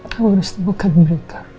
kamu harus temukan mereka